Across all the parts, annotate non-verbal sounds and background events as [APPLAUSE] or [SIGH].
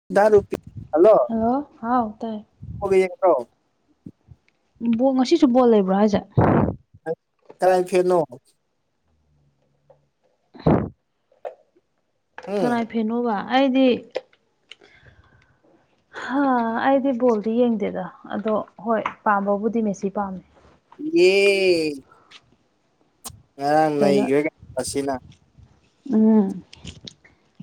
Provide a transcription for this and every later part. [UNINTELLIGIBLE] Hello ꯍꯥꯎ ꯇꯥꯏ ꯒꯒ ꯇꯣ [UNINTELLIGIBLE] ꯕꯣ ꯉꯁꯤꯁꯨ ꯕꯣꯜ ꯂꯩꯕ꯭ꯔꯥ ꯍꯥꯏꯁꯦ ꯀꯥꯏ ꯐꯅꯣ ꯎꯝ ꯀꯅꯥꯥꯏ ꯐꯦꯅꯣꯕ ꯑꯩꯗꯤ [UNINTELLIGIBLE] ꯑꯩꯗꯤ ꯕꯣꯜꯗꯤ ꯌꯦꯡꯗꯦꯗ ꯑꯗꯣ ꯍꯣꯏ ꯄꯥꯝꯕꯕꯨꯗꯤ ꯃꯦꯁꯤ ꯄꯥꯝꯃꯦ ꯌꯦ ꯉꯔꯥꯡ ꯀꯩꯅꯣ ꯅꯩꯈ꯭ꯔꯦꯒ ꯑꯁꯤꯅ ꯎꯝ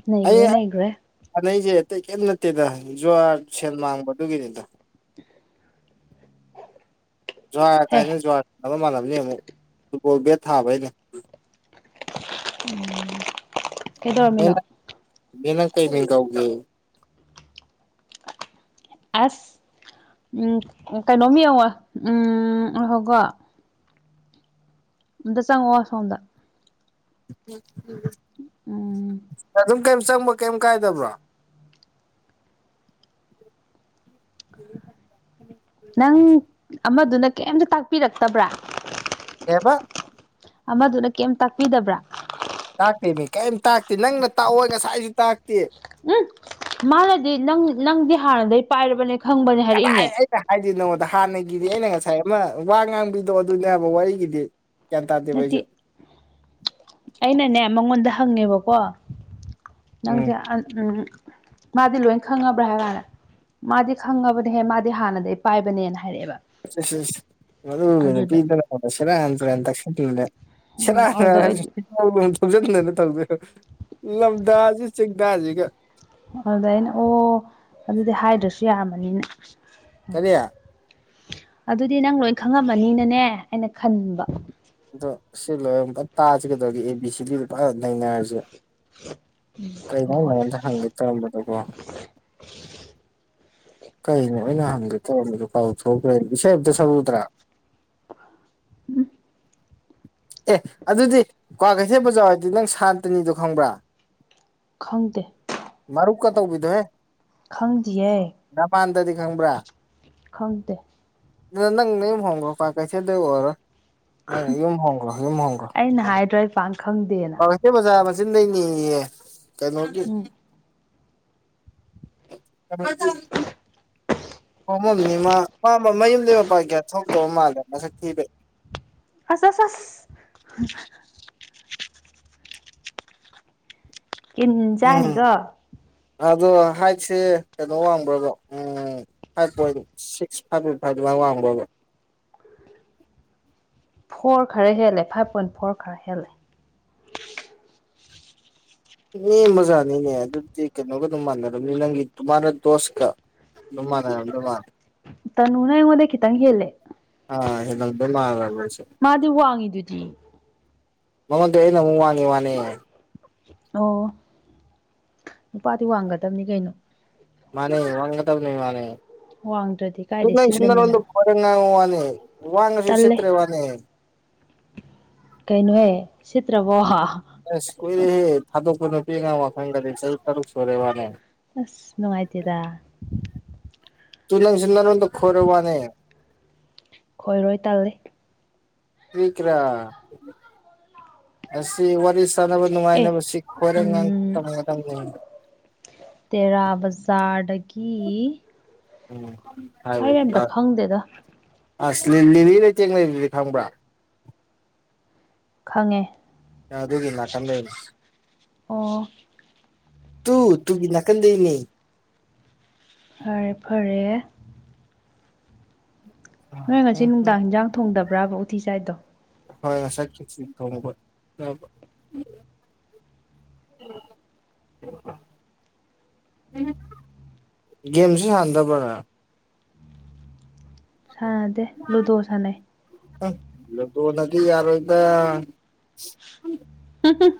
ꯅꯈ꯭ꯔꯦ ꯅꯈ꯭ꯔꯦ ꯐꯥꯟꯅꯩꯁꯦ ꯑꯇꯩ ꯀꯔꯤꯝ ꯅꯠꯇꯦꯗ ꯖꯨꯍꯔ ꯁꯦꯜ ꯃꯥꯡꯕꯗꯨꯒꯤꯅꯤꯗ ꯖꯨꯍꯔ ꯍꯦ ꯀꯥꯏꯅ ꯖꯨꯍꯔꯅꯕ ꯃꯥꯟꯅꯕꯅꯤ ꯑꯃꯨꯛ ꯐꯨꯠꯕꯣꯜ ꯕꯦꯠ ꯊꯥꯕꯩꯅꯦ ꯎꯝ ꯃꯦ ꯃꯦꯅꯛ ꯀꯩ ꯃꯤ ꯀꯧꯒ ꯑꯁ ꯎꯝ ꯀꯩꯅꯣꯝ ꯌꯦꯡꯉꯣ ꯎꯝ ꯑ ꯍꯣꯏꯀꯣ ꯑꯝꯇ ꯆꯪꯉꯣ ꯑꯁꯣꯝꯗ ꯎꯝ ꯑꯗꯨꯝ ꯀꯩꯝ ꯆꯪꯕ ꯀꯩꯝ ꯀꯥꯏꯗꯕ꯭ꯔꯣ [UNINTELLIGIBLE] ꯅꯪ ꯑꯃꯗꯨꯅ ꯀꯩꯝꯇ ꯇꯥꯛꯄꯤꯔꯛꯇꯕ꯭ꯔꯥ ꯍ ꯑꯃꯗꯨꯅ ꯀꯔꯤꯝ ꯇꯥꯛꯄꯤꯗꯕ꯭ꯔꯥ ꯇꯥꯛꯇꯦ ꯃꯤ ꯀꯔꯤꯝ ꯇꯥꯛꯇꯦ ꯅꯪꯅ ꯇꯥꯛꯑꯣꯏ ꯉꯁꯥꯏꯁꯨ ꯇꯥꯛꯇꯦ ꯎ ꯃꯥꯅꯗꯤ ꯅꯪ ꯅꯪꯗꯤ ꯍꯥꯟꯅꯗꯒꯤ ꯄꯥꯏꯔꯕꯅꯦ ꯈꯪꯕꯅꯦ ꯀꯗꯥꯏ ꯍꯥꯏꯔꯛꯏꯅꯦ ꯑꯩꯅ ꯍꯥꯏꯗꯣꯏ ꯅꯉꯣꯟꯗ ꯍꯥꯟꯅꯒꯤꯗꯤ ꯑꯩꯅ ꯉꯁꯥꯏ ꯑꯃ ꯋꯥ ꯉꯥꯡꯕꯤꯗꯣ ꯑꯗꯨꯅꯦꯕ ꯋꯥꯔꯤꯒꯤꯗꯤ ꯒꯌꯥꯟ ꯇꯥꯗꯦ ꯅꯠꯇꯦ ꯑꯩꯁꯨ ꯑꯩꯅꯅꯦ ꯃꯉꯣꯟꯗ ꯍꯪꯉꯦꯕꯀꯣ ꯎꯝ ꯅꯪꯁꯦ ꯎꯝ ꯃꯥꯗꯤ ꯂꯣꯏ ꯈꯪꯉꯕ꯭ꯔꯥ ꯍꯥꯏꯇꯥꯅꯦ ꯃꯥꯗꯤ ꯈꯪꯉꯕꯅꯦꯍꯦ ꯃꯥꯗꯤ ꯍꯥꯟꯅꯗꯒꯤ ꯄꯥꯏꯕꯅꯦꯅ ꯍꯥꯏꯔꯛꯑꯦꯕ ꯑ [UNINTELLIGIBLE] ꯑꯗꯨ ꯅꯨ ꯑꯗꯨꯗ ꯄꯤꯗ ꯁꯤꯦꯔꯟꯇ꯭ꯔꯅ ꯇꯛꯁꯟꯂꯦ ꯎꯝ ꯁꯤꯔ ꯑꯗꯨꯗ ꯑꯩꯗꯤ ꯊꯧꯖꯟꯗꯅ ꯇꯧꯗꯣꯏ ꯂꯝꯗꯥꯁꯤ ꯆꯦꯡꯗꯥꯁꯤꯒ ꯑꯗꯨꯗ ꯑꯩꯅ ꯑꯣ ꯑꯗꯨꯗꯤ ꯍꯥꯏꯗ꯭ꯔꯁꯨ ꯌꯥꯃꯅꯤꯅ ꯎꯝ ꯀꯔꯤ ꯑꯗꯨꯗꯤ ꯅꯪ ꯂꯣꯏ ꯈꯪꯉꯝꯃꯅꯤꯅꯅꯦ ꯑꯩꯅ ꯈꯟꯕ ꯑꯗꯣ ꯁꯤ ꯂꯣꯏꯨ ꯄꯨ ꯇꯥꯁꯤ ꯀꯩꯗꯧꯒꯦ ꯑꯦ ꯕꯤ ꯁꯤ ꯕꯤꯗ ꯄꯨꯔ ꯅꯩꯅꯔꯁꯦ ꯀꯩꯅꯣ ꯍꯣꯏ ꯍꯣꯏ ꯅꯉꯣꯟꯗ ꯍꯪꯒꯦ ꯇꯧꯔꯝꯕꯗꯀꯣ ꯀꯩꯅꯣ ꯑꯩꯅ ꯍꯪꯒꯦ ꯇꯧꯔꯝꯕꯗꯨ ꯄꯥꯎ ꯊꯣꯛꯈ꯭ꯔꯦ ꯏꯁꯩ ꯑ ꯑꯃꯝꯇ ꯁꯛꯎꯨꯗ꯭ꯔꯥ ꯎꯝ ꯑꯦ ꯑꯗꯨꯗꯤ ꯀ꯭ꯋꯥ ꯀꯩꯊꯦꯜ ꯕꯖꯥ ꯍꯥꯏꯗꯤ ꯅꯪ ꯁꯥꯟꯇꯅꯤꯗꯣ ꯈꯪꯕ꯭ꯔꯥ ꯈꯪꯗꯦ ꯃꯥꯔꯨ ꯀ ꯇꯧꯕꯤꯗꯣ ꯍꯦ ꯈꯪꯗ꯭ꯌꯦ ꯄꯥꯟꯗꯗꯤ ꯈꯪꯕ꯭ꯔꯥ ꯈꯪꯗꯦ ꯅꯪ ꯅ ꯍꯣꯡꯒ ꯄꯥ ꯀꯥꯏꯁꯗꯔ ꯅꯪ ꯍꯣꯡ ꯍ ꯃꯍꯒ ꯑꯩꯅ ꯍꯥꯏꯗ꯭ꯔꯣ ꯑꯩ ꯄꯥꯛ ꯈꯪꯗꯦꯅ ꯏꯦ ꯃꯆꯥ ꯃꯆꯤꯟ ꯂꯩꯅꯤꯌꯦ ꯀꯩꯅꯣꯒꯤ ꯎꯝ [UNINTELLIGIBLE] ꯍꯣꯃꯝꯅꯤ ꯃꯥ ꯄꯥꯝꯕ ꯃꯌꯨꯝꯗꯒꯤ ꯃꯄꯥꯥꯏ ꯀꯌꯥ ꯊꯣꯛꯇꯧ ꯃꯥꯜꯂꯦ ꯃꯁꯛ ꯊꯤꯕꯩ ꯍꯁ ꯍ ꯀꯤꯟ ꯎꯝ ꯆꯅꯤꯀ ꯑꯗꯣ ꯍꯥꯏꯠꯁꯦ ꯀꯩꯅꯣ ꯋꯥꯡꯕ꯭ꯔꯗꯣ ꯎꯝ ꯐꯥꯏꯚ ꯄꯣꯏꯟ ꯁꯤꯛꯁ ꯐꯥꯏꯚꯣꯏ ꯐꯥꯏꯚꯃꯥꯏ ꯋꯥꯡꯕꯣꯕ ꯐꯣꯔ ꯈꯔ ꯍꯦꯜꯂꯦ ꯐꯥꯏꯚ ꯄꯣꯏꯟ ꯐꯣꯔ ꯈꯔ ꯍꯦꯜꯂꯦ ꯏꯅꯦ ꯃꯖꯥꯅꯤꯅꯦ ꯑꯗꯨꯗꯤ ꯀꯩꯅꯣꯒ ꯑꯗꯨꯝ ꯃꯥꯟꯅꯔꯝꯅꯤ ꯅꯪꯒꯤ ꯇꯃꯥꯟꯅ ꯗꯣꯁꯀ ꯃꯅꯦ ꯅꯨꯅꯨꯡꯃꯥꯟ ꯇꯅꯥꯏꯉꯣꯟꯈꯤꯇꯪꯒꯦꯂꯦ ꯑ ꯍꯒꯗ ꯃꯥ ꯃꯥꯗꯤ ꯋꯥꯡꯉꯤꯗꯨꯗꯤ ꯃꯃꯗꯨ ꯍ ꯅꯨ ꯋꯥꯅꯤ ꯋꯥꯅꯦ ꯑꯣ ꯅꯨꯄꯥꯗꯤ ꯋꯥꯡꯒꯗꯕꯅꯤ ꯀꯩꯅꯣ ꯃꯥꯅꯦ ꯋꯥ ꯇꯝꯅꯤ ꯋꯥꯡꯗ꯭ꯔꯗꯤ ꯀꯥꯏꯗ ꯁꯤꯠꯂꯅꯤꯅ ꯃꯥꯅꯦꯅꯔ ꯐꯔ ꯃꯥꯅꯤ ꯋꯥꯉ ꯇꯜꯂꯦ ꯁꯨꯁꯤꯛꯇ꯭ꯔꯦ ꯋꯥꯅꯦ ꯀꯩꯅꯣꯍꯦ ꯁꯤꯠ ꯇ ꯋꯣꯍꯥ ꯑꯁ ꯀꯨꯏꯔꯦꯍꯦ ꯊꯥꯗꯣꯛꯄ ꯅꯨꯄꯤ ꯑꯉꯥꯡ ꯋꯥꯈꯟꯒꯗꯤ ꯆꯍꯤ ꯇꯔꯨꯛ ꯁꯨꯔꯦꯕꯅꯦ ꯑꯁ ꯅꯨꯡꯉꯥꯏꯇꯦꯗ ꯇꯨ ꯅꯪꯁꯣ ꯅꯔꯣꯟꯗꯣ ꯈꯣꯏꯔ ꯋꯥꯅꯦ ꯈꯣꯏꯔꯣꯏ ꯇꯥꯜꯂꯤ ꯁ꯭ꯀ꯭ꯔꯥ ꯑꯁꯤ ꯋꯥꯔꯤ ꯁꯥꯟꯅꯕ ꯑꯦ ꯅꯨꯡꯉꯥꯏꯅꯕ ꯁꯤ ꯈꯣꯏꯔ ꯎꯝ ꯉꯇ ꯇ ꯇꯦꯔꯥꯕꯖꯥꯔꯗꯒꯤ ꯎꯝ ꯑ ꯍꯥꯏꯌꯨ ꯌꯥꯝꯅ ꯗ ꯈꯥ ꯍꯗꯗ ꯑꯁ ꯂꯤꯂꯤ ꯂꯩꯇꯦꯡ ꯂꯩꯔꯤꯗꯤ ꯈꯪꯕ꯭ꯔꯥ ꯈꯪꯉꯦ ꯑꯗꯨꯒꯤ ꯅꯥꯀꯝ ꯂꯩꯅꯤ ꯑꯣ ꯇꯨ ꯇꯨꯒꯤ ꯅꯥꯀꯟꯗꯅꯤ ꯐꯔꯦ ꯐꯔꯦ ꯅꯣꯏ ꯉꯁꯤ ꯎꯝ ꯎꯝ ꯅꯨꯡꯗꯥꯡ ꯍꯤꯟꯖꯥꯡ ꯊꯣꯡꯗꯕ꯭ꯔꯥꯕ ꯎꯇꯤ ꯆꯥꯏꯗꯣ ꯍꯣꯏ ꯑꯁꯥꯏꯁꯤ ꯊꯠ ꯎ ꯒꯦꯝꯁꯨ ꯁꯥꯟꯗꯕ꯭ꯔꯅꯦ ꯁꯥꯟꯅꯗꯦ ꯂꯨꯗꯣ ꯁꯥꯟꯅꯩ ꯏꯂ ꯇꯅ ꯌꯥꯔꯣꯢꯗ ꯍꯝ ꯍꯝ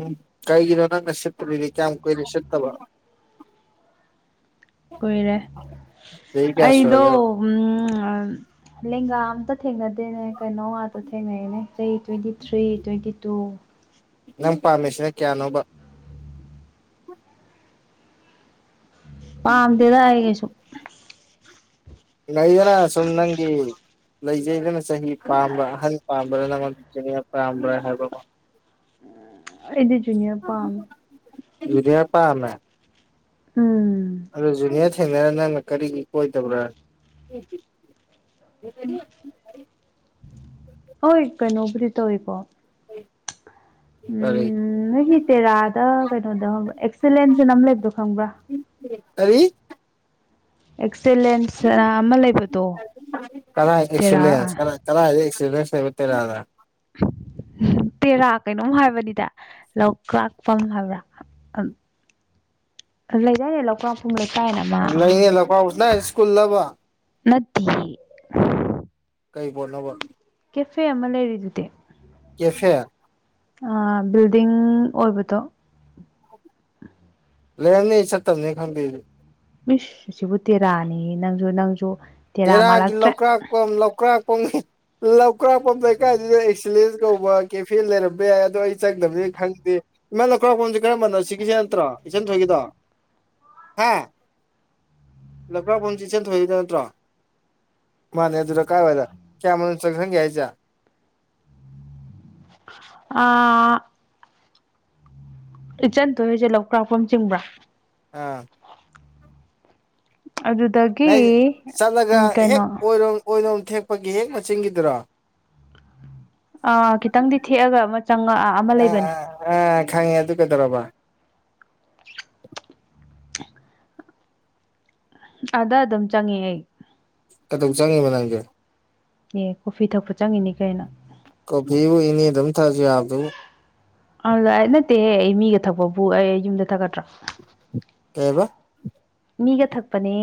ꯎꯝ ꯀꯥꯏꯒꯤꯅꯣ ꯅꯪꯅ ꯁꯦꯠꯇ ꯂꯩ ꯀꯌꯥꯝ ꯀꯨꯢꯔꯦ ꯁꯦꯠꯠꯇꯕ [UNINTELLIGIBLE] ꯀꯨꯏꯔꯦ ꯑꯩꯗꯣ ꯁꯨꯔꯒꯦꯕ ꯎ ꯂꯦꯡꯒꯥ ꯑꯝꯇ ꯊꯦꯡꯅꯗꯦꯅꯦ ꯀꯩꯅꯣ ꯉꯥꯛꯇ ꯊꯦꯡꯅꯩꯅꯦ ꯩꯑꯩ ꯇ꯭ꯋꯦꯟꯇꯤ ꯊ꯭ꯔꯤ ꯇ꯭ꯋꯦꯟꯇꯤ ꯇꯨ ꯅꯪ ꯄꯥꯝꯃꯤꯁꯤꯅ ꯀꯌꯥꯅꯣꯕ ꯄꯥꯝꯗꯦꯗꯥ ꯍꯥꯏꯌꯦ ꯀꯩꯁꯨ ꯅꯩꯗꯅ ꯁꯨꯝ ꯅꯪꯒꯤ ꯂꯩꯖꯩꯗꯅꯪ ꯆꯍꯤ ꯄꯥꯝꯕ꯭ꯔꯥ ꯑꯍꯟ ꯄꯥꯝꯕ꯭ꯔꯥ ꯅꯪꯉꯣꯟ ꯆꯅꯤ ꯄꯥꯝꯕ꯭ꯔꯥ ꯍꯥꯏꯕ ꯑꯃ ꯑꯩꯗꯤ ꯖꯨꯅꯌꯔ ꯄꯥꯝ ꯑꯗꯨꯗꯤꯌꯥ ꯄꯥꯃꯦ ꯎꯝ ꯑꯗꯣ ꯖꯨꯅꯤꯌꯥꯔ ꯊꯦꯡꯅꯔ ꯅꯪꯅ ꯀꯔꯤꯒꯤ ꯀꯣꯏꯗꯕ꯭ꯔꯥ ꯀꯔꯤ ꯍꯣꯏ ꯀꯩꯅꯣꯕꯨꯗꯤ ꯇꯧꯋꯦꯀꯣ ꯎ ꯎꯝ ꯅꯣꯏꯒꯤ ꯇꯦꯔꯥꯗ ꯀꯩꯅꯣꯗ ꯑꯦꯛꯁꯂꯦꯟꯁꯅ ꯑꯃ ꯂꯩꯕꯗꯣ ꯈꯪꯕ꯭ꯔꯥ ꯀꯔꯤ ꯑꯦꯛꯁꯦꯂꯦꯟꯁ ꯑꯃ ꯂꯩꯕꯗꯣ ꯇꯦꯔꯥ ꯀꯔꯥꯢꯗꯩ ꯑꯦꯛꯁꯤꯂꯦꯟꯁ ꯂꯩꯕꯥ ꯇꯦꯔꯥꯗ ꯇꯦꯔꯥ ꯀꯩꯅꯣꯝ ꯍꯥꯏꯕꯅꯤꯗ ꯂꯧꯀ꯭ꯔꯥꯛꯐꯝ ꯍꯥꯏꯕ꯭ꯔꯥ ꯂꯩ ꯌꯥꯔꯦ ꯂꯧ ꯄꯨꯡꯕꯦꯇꯥꯏꯅꯝ ꯂꯩꯅꯦ ꯂꯧꯀꯥꯎꯕꯝ ꯁ꯭ꯀꯨꯜꯂꯕ ꯅꯠꯇꯦ ꯀꯩ ꯐꯣꯠꯅꯣꯕ ꯀꯦꯐꯦ ꯑꯃ ꯂꯩꯔꯤꯗꯨꯗꯤ ꯀꯦꯐꯦ꯫ ꯑ ꯕꯤꯜꯗꯤꯡ ꯑꯣꯏꯕꯗꯣ꯫ ꯂꯩꯔꯝꯅꯤ ꯆꯠꯇꯝꯅꯤꯅ ꯈꯪꯗꯦ ꯑꯩꯖꯨ꯫ ꯏꯁ ꯁꯤꯕꯨ ꯇꯦꯔꯥꯅꯤ ꯅꯪꯖꯨ ꯅꯪꯖꯨ ꯇꯦꯔꯥꯒꯤ ꯂꯧꯀ꯭ꯔꯥꯛꯄꯝ ꯂꯧꯀ꯭ꯔꯥꯛꯄꯝ꯫ ꯂꯧꯀ꯭ꯔꯥꯛꯄꯝ ꯂꯩꯀꯥꯏꯗ ꯑꯦꯁꯂꯤꯁ ꯀꯧꯕ ꯀꯦꯐ ꯐꯤꯜ ꯂꯩꯔꯝꯕ ꯌꯥꯏ ꯑꯗꯣ ꯑꯩ ꯆꯪꯗꯕꯅꯤꯅ ꯈꯪꯗꯦ꯫ ꯏꯃꯥ ꯂꯧꯀ꯭ꯔꯥꯛꯄꯝꯖꯦ ꯀꯔꯝꯕꯅꯣ ꯁꯤꯒꯤꯁꯦ ꯅꯠꯇ꯭ꯔꯣ ꯏꯆꯟ ꯊꯣꯏꯒꯤꯗꯣ ꯍꯥ꯫ ꯂꯧꯀꯔ꯭ꯥꯛꯄꯝ ꯆꯦ ꯆꯟ ꯊꯣꯏꯕꯤꯗꯣ ꯅꯠꯇ꯭ꯔꯣ ꯃꯥꯅꯦ ꯑꯗꯨꯗ ꯀꯥꯏ ꯑꯣꯏꯗ ꯀꯌꯥꯃ ꯆꯪꯁꯪꯒ ꯍꯥꯏ ꯆ ꯑ ꯏꯆꯟ ꯇꯣꯏꯍꯣꯢꯁꯦ ꯂꯧ ꯀ꯭ꯔꯥꯛꯄꯝ ꯆꯤꯡꯕ꯭ꯔꯥ ꯑꯥ ꯑꯗꯨꯗꯒꯤ ꯅꯣꯏ ꯆꯠꯂꯒ ꯎꯝ ꯍꯦꯛ ꯀꯩꯅꯣ ꯑꯣꯏꯔꯣꯝ ꯑꯣꯏꯔꯣꯝ ꯊꯦꯛꯄꯒꯤ ꯍꯦꯛ ꯃꯆꯤꯟꯒꯤꯗꯨꯔꯣ ꯑꯥ ꯈꯤꯇꯪꯗꯤ ꯊꯦꯛꯑꯒ ꯑꯃ ꯆꯪꯉꯛꯑ ꯑꯃ ꯂꯩꯕꯅꯦ ꯑ ꯈꯪꯉꯦ ꯑꯗꯨ ꯀꯩꯗꯧꯔꯕ ꯑꯗ ꯑꯗꯨꯝ ꯆꯪꯉꯦ ꯑꯩ ꯀꯩꯗꯧ ꯆꯪꯉꯤꯕ ꯅꯪꯗꯤ ꯑꯦ ꯀꯣꯐꯤ ꯊꯛꯄ ꯆꯪꯉꯤꯅꯤ ꯀꯩꯅꯣ꯫ ꯀꯣꯐꯤꯕꯨ ꯏꯅꯦꯗ ꯑꯗꯨꯝ ꯊꯛꯑꯖꯨ ꯌꯥꯕꯗꯨꯕꯨ꯫ ꯑꯗꯨꯗ ꯑꯩ ꯅꯠꯇꯦꯍꯦ ꯑꯩ ꯃꯤꯒ ꯊꯛꯄꯕꯨ ꯑꯩ ꯌꯨꯝꯗ ꯊꯛꯀꯗ꯭ꯔ꯫ ꯀꯩꯕ꯫ ꯃꯤꯒ ꯊꯛꯄꯅꯦ꯫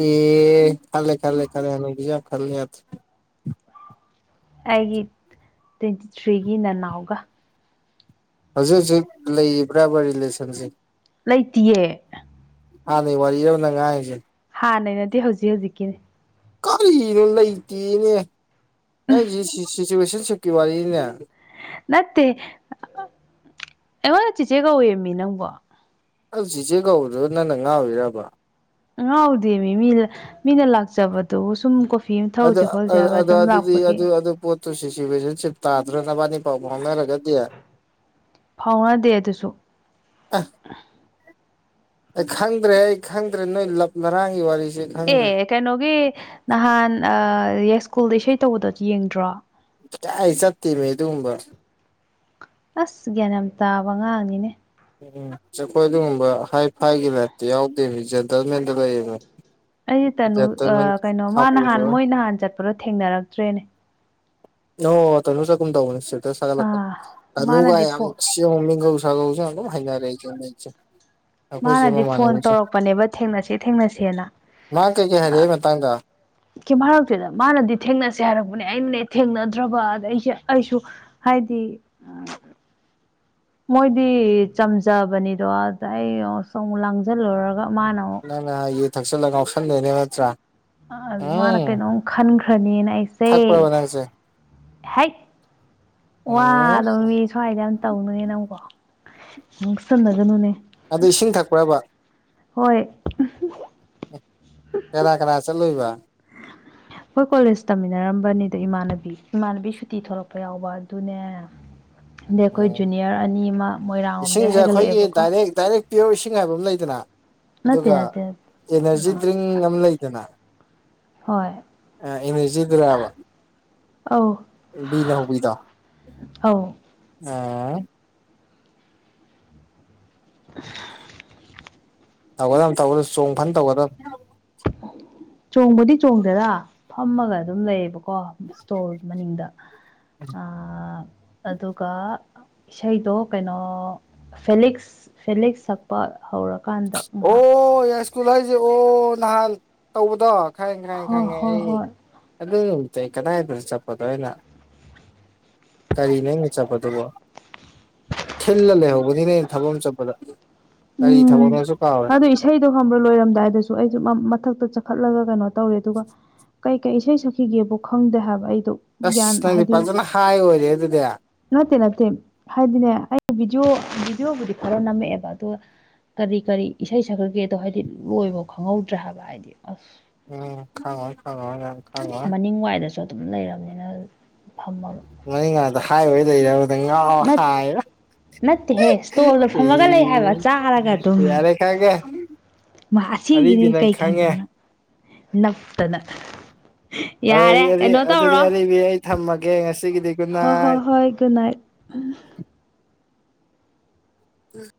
ꯑꯦ ꯈꯦꯜꯂꯦ ꯈꯦꯜꯂꯦ ꯈꯦꯜꯂꯦ [UNINTELLIGIBLE] ꯈꯜꯂꯦ ꯌꯥꯗ꯭ꯔꯦ꯫ ꯑꯩꯒꯤ ꯇ꯭ꯋꯦꯟꯇꯤ ꯊ꯭ꯔꯤꯒꯤ ꯅꯅꯥꯎꯒ꯫ ꯍꯧꯖꯤꯛ ꯍꯧꯖꯤꯛ ꯂꯩꯔꯤꯕ꯭ꯔꯕ ꯔꯤꯂꯦꯁꯟꯖꯦ꯫ ꯂꯩꯇꯤꯌꯦ꯫ ꯍꯥꯟꯅꯒꯤ ꯋꯥꯔꯤꯔꯕ ꯅꯪꯉꯥꯡ ꯉꯤꯖꯦ꯫ ꯍꯥꯟꯅꯩ ꯅꯠꯇꯦ ꯍꯧꯖꯤꯛ ꯍꯧꯖꯤꯛꯀꯤꯅꯤ꯫ ꯀꯔꯤꯅꯣ ꯂꯩꯇꯦꯅꯦ ꯅꯪꯒꯤꯖꯦ ꯁꯤ ꯁꯤꯆꯨꯋꯦꯁꯟꯁꯤꯞ꯫ ꯀꯤ ꯋꯥꯔꯤꯅꯤꯅꯦ꯫ ꯅꯠꯇꯦ ꯑꯩꯉꯣꯟꯗ ꯆꯦꯆꯦ ꯀꯧꯋꯦꯃꯤ ꯅꯪꯕꯣ꯫ ꯆꯦꯆꯦ ꯀꯧꯕꯗꯨꯕꯨ ꯅꯪꯅ ꯉꯥꯎꯔꯤꯔꯕ꯫ ꯉꯥꯎꯗꯦꯃꯤ ꯃꯤ ꯃꯤꯅ ꯂꯥꯛꯆꯕꯗꯨꯕꯨ ꯁꯨꯝ ꯀꯣ ꯑꯗꯨ ꯑ ꯑ ꯑ ꯑꯗꯨꯗꯤ ꯑꯗꯨ ꯑꯗꯨ ꯄꯣꯠ ꯨ ꯁꯤꯆꯋꯦꯁꯟꯁꯤꯞ ꯇꯥꯗ꯭ꯔ ꯅꯕꯥꯏꯅꯤ ꯄꯥꯎ ꯐꯥꯎꯅꯔꯒꯗꯤ꯫ ꯐꯥꯎꯅꯗꯦ ꯑꯗꯨꯁꯨ꯫ ꯑ ꯑꯩ ꯈꯪꯗ꯭ꯔꯦ ꯑꯩ ꯈꯪꯗ꯭ꯔꯦ ꯅꯣꯏ ꯂꯞꯅꯔꯥꯡꯒꯤ ꯋꯥꯔꯤꯁꯦ꯫ ꯈꯪꯗ꯭ꯔꯦ ꯑꯦ ꯀꯩꯅꯣꯒꯤ ꯅꯍꯥꯟ ꯌꯥꯏ ꯁ꯭ꯀꯨꯜꯗ ꯏꯁꯩ ꯇꯧꯕꯗꯣ ꯌꯦꯡꯗ꯭ꯔꯣ꯫ ꯀꯤꯗꯥꯏ ꯆꯠꯇꯦꯃꯤ ꯑꯗꯨꯒꯨꯝꯕ꯫ ꯑꯁ ꯒ꯭ꯌꯥꯟ ꯌꯥꯝ ꯇꯥꯕ ꯑꯉꯥꯡꯅꯤꯅꯦ꯫ ꯎꯝ ꯆꯈꯣꯏ ꯑꯗꯨꯒꯨꯝꯕ ꯍꯥꯏ ꯐꯥꯏꯒꯤ ꯂꯥꯏꯞꯇ ꯌꯥꯎꯗꯦꯕ ꯖꯦꯟꯇꯦꯜꯃꯦꯟꯗ ꯂꯩꯌꯦꯕ꯫ ꯑꯩꯖꯦ ꯇꯅꯨ ꯀꯩꯅꯣ ꯃꯥ ꯅꯍꯥꯟ ꯍꯥꯄꯨꯁꯨ ꯃꯣꯏ ꯅꯍꯥꯟ ꯆꯠꯄꯗꯣ ꯊꯦꯡꯅꯔꯛꯇ꯭ꯔꯦꯅꯦ꯫ ꯑꯣ ꯇꯅꯨ ꯆꯠꯀꯨꯝ ꯇꯧꯕꯅꯤ ꯏꯁꯇꯦꯇꯁ ꯊꯥꯒꯠ ꯂꯛꯄꯅꯤ ꯑꯥ ꯇꯅꯨꯒ ꯃꯥꯅꯗꯤ ꯌꯥꯝ ꯐꯣꯟ ꯅꯨꯡꯁ ꯃꯤꯡꯒꯧ ꯁꯥꯒꯧꯖꯨ ꯑꯗꯨꯝ ꯍꯩꯅꯔꯦ ꯑꯩꯖꯨ ꯍꯧꯗꯛꯁꯦ꯫ ꯃꯥꯅꯗꯤ ꯐꯣꯟ ꯇꯧꯔꯛꯄꯅꯦꯕ ꯊꯦꯡꯅꯁꯦ ꯊꯦꯡꯅꯁꯦꯅ ꯃꯥ ꯀꯩꯀꯩ ꯑ ꯍꯥꯏꯔꯛꯏ ꯃꯇꯥꯡꯗ ꯀ ꯃꯔꯛꯇꯨꯗ ꯃꯥꯅꯗꯤ ꯊꯦꯡꯅꯁꯦ ꯍꯥꯏꯔꯛꯄꯅꯦ ꯑꯩꯅꯅꯦ ꯊꯦꯡꯅꯗ꯭ꯔꯕ ꯑꯗ ꯑꯩꯁꯦ ꯑꯩꯁꯨ ꯍꯥꯏꯗꯤ ꯃꯣꯏꯗꯤ ꯆꯝꯖꯕꯅꯤꯗꯣ ꯑꯗ ꯑꯩ ꯁꯨꯝ ꯂꯥꯡꯁꯤꯜꯂꯨꯔꯒ ꯃꯥꯅ ꯅꯪꯅ ꯍꯥꯏꯨ ꯊꯛꯆꯜꯂꯒ ꯉꯥꯎꯁꯟꯗꯣꯏꯅꯦ ꯅꯠꯇ꯭ꯔꯥ ꯑ ꯑꯗꯨ ꯃꯥꯅ ꯎꯝ ꯀꯩꯅꯣꯝ ꯈꯟꯈ꯭ꯔꯅꯤꯅ ꯑꯩꯁꯦ ꯊꯛꯄ꯭ꯔꯕ ꯅꯪꯁꯦ ꯍꯦꯛ ꯎꯝ ꯋꯥꯗꯕ ꯃꯤ ꯁ꯭ꯋꯥꯏꯗ ꯌꯥꯝ ꯇꯧꯅꯨꯉ ꯅꯪꯀꯣ ꯅꯪ ꯁꯟꯅꯗꯅꯨꯅꯦ ꯑꯗꯨ ꯏꯁꯤꯡ ꯊꯛꯄ꯭ꯔꯕ ꯍꯣꯏ ꯀꯦꯔꯥ ꯀꯦꯔꯥꯁꯦ ꯂꯣꯏꯕ ꯑꯩꯈꯣꯏ ꯀꯣꯂꯦꯖ ꯇꯝꯃꯤꯟꯅꯔꯝꯕꯅꯤꯗ ꯏꯃꯥꯟꯅꯕꯤ ꯏꯃꯥꯟꯅꯕꯤ ꯁꯨꯇꯤ ꯊꯂꯛꯄ ꯌꯥꯎꯕ ꯑꯗꯨꯅꯦ ꯑꯗꯩ ꯑꯩꯈꯣꯏ ꯎꯝ ꯖꯨꯅꯤꯌꯔ ꯑꯅꯤ ꯑꯃ ꯃꯣꯏꯔꯥꯡ ꯂꯣꯝꯗ ꯏꯁꯤꯡꯁꯦ ꯑꯩꯈꯣꯏꯒꯤ ꯍꯥꯏꯒꯠꯂꯛꯑꯦꯕꯀꯣ ꯗꯥꯏꯔꯦꯛ ꯗꯥꯏꯔꯦꯛ ꯄꯤꯌꯣ ꯏꯁꯤꯡ ꯍꯥꯏꯥꯏꯕ ꯑꯃ ꯂꯩꯗꯅ ꯅꯠꯇꯦ ꯑꯗꯨꯒ ꯅꯠꯇꯦ ꯅꯠꯇꯦ ꯑꯦꯅꯔꯖꯤ ꯗ꯭ꯔꯤꯡ ꯑꯃ ꯂꯩꯗꯅ ꯍꯣꯏ ꯏꯁꯤꯗꯨ꯭ꯔꯕ ꯑꯧ ꯕꯤ ꯂ ꯍꯧꯕꯤꯗꯣ ꯑꯧ꯫ ꯎꯝ [UNINTELLIGIBLE] ꯇꯧꯒꯗꯝ ꯇꯧꯒꯗꯝ ꯆꯣꯡ ꯐꯟ ꯇꯧꯒꯗꯝ꯫ ꯆꯣꯡꯕꯗꯤ ꯆꯣꯡꯗꯦꯗ ꯐꯝꯃꯒ ꯑꯗꯨꯝ ꯂꯩꯌꯦꯕ꯫ ꯀꯣ ꯏꯁ꯭ꯇꯣꯜ ꯃꯅꯤꯡꯗ ꯑ ꯑꯗꯨꯒ ꯏꯁꯩꯗꯣ ꯀꯩꯅꯣ ꯐꯦꯂꯤꯛꯁ ꯐꯦꯂꯤꯛꯁ ꯁꯛꯄ ꯍꯧꯔꯛ ꯑꯣ ꯌꯥꯏ ꯁ꯭ꯀꯨꯜ ꯍꯥꯏꯖꯦ ꯑꯣ ꯅꯍꯥꯟ ꯇꯧꯕꯗꯣ꯫ ꯈꯪꯉꯦ ꯈꯪꯉꯦ ꯍꯣꯏ ꯈꯪꯉꯦ ꯍꯣꯏ ꯑꯩ ꯍꯣꯏ ꯑꯗꯨ ꯅꯨꯃꯤꯠꯇꯨ ꯀꯗꯥꯏꯗꯅꯣ ꯆꯠꯄꯗꯣ ꯑꯩꯅ꯫ ꯀꯔꯤꯅꯣ ꯑꯪꯅ ꯆꯠꯄꯗꯨꯕꯣ꯫ ꯊꯤꯜꯂ ꯂꯩꯍꯧꯕꯅꯤꯅꯦ ꯑꯩꯅ ꯊꯕꯛ ꯑꯃ ꯆꯠꯄꯗ ꯀꯔꯤ ꯎꯝ ꯊꯕꯛꯅꯣꯖꯨ ꯑꯗꯨ ꯏꯁꯩꯗꯣ ꯈꯪꯕ꯭ꯔꯥ ꯂꯣꯏꯔꯝꯗꯥꯏꯗꯁꯨ ꯑꯩꯖꯨ ꯃꯊꯛꯇ ꯆꯠꯈꯠꯂꯒ ꯀꯩꯅꯣ ꯇꯧꯔꯦ ꯑꯗꯨꯒ ꯀꯩꯀꯩ ꯏꯁꯩ ꯁꯛꯈꯤꯒꯦꯕꯨ ꯈꯪꯗꯦ ꯍꯥꯏꯕ ꯑꯩꯗꯣ ꯑꯁ ꯒ꯭ꯌꯥꯟ ꯅꯪꯗꯤ ꯍꯥꯏꯗꯤ ꯐꯖꯅ ꯍꯥꯏ ꯑꯣꯏꯔꯦ ꯑꯗꯨꯗꯤ ꯅꯠꯇꯦ ꯅꯠꯇꯦ ꯍꯥꯏꯗꯤꯅꯦ ꯑꯩꯩꯅ ꯚꯤꯗꯤꯑꯣ ꯚꯤꯗꯤꯑꯣꯕꯨꯗꯤ ꯈꯔ ꯅꯝꯃꯛꯑꯦꯕ ꯑ ꯀꯔꯤ ꯀꯔꯤ ꯏꯁꯩ ꯁꯛꯈ꯭ꯔꯒꯦꯗꯣ ꯍꯥꯏꯗꯤ ꯂꯣꯏꯕ ꯈꯪꯍꯧꯗ꯭ꯔꯦ ꯍꯥꯏꯕ ꯍꯥꯏꯗꯤ ꯑꯁ ꯎꯝ ꯈꯥꯉ ꯈꯉ ꯌꯥ ꯃꯅꯤꯡ ꯋꯥꯏꯗꯁꯨ ꯑꯗꯨꯝ ꯂꯩꯔꯕꯅꯤꯅ ꯐꯝꯃꯕ ꯉꯅꯤ ꯉꯗ ꯍꯥꯏꯥꯏꯕꯩ ꯂꯩꯔ ꯉꯥꯎ ꯅꯠ ꯍꯥꯏꯥꯏ ꯅꯠꯇꯦꯍꯦ ꯏꯁꯇꯣꯜꯗꯣ ꯐꯝꯃꯒ ꯂꯩ ꯍꯥꯏꯕ ꯆꯥꯔꯒ ꯑꯗꯨꯝ ꯌꯥꯔꯦ ꯈꯪꯉꯦ ꯑꯅꯤ ꯑꯔꯤꯕꯤ ꯅꯪ ꯀꯩ ꯈꯪꯉꯦ ꯈꯪꯗꯕꯅ ꯅ ꯌꯥꯔꯦ ꯍꯣꯏ ꯀꯩꯅꯣ ꯑꯗꯨꯗꯤ ꯇꯧꯔꯣ ꯑꯔꯤꯕꯤ ꯑꯩ ꯊꯝꯃꯒꯦ ꯉꯁꯤꯒꯤꯗꯤ ꯒꯨꯗ ꯍꯣꯏ ꯍꯣꯏ ꯅꯥꯏꯠ ꯍꯣꯏ ꯒꯨꯗ ꯅꯥꯏꯠ ꯎꯝ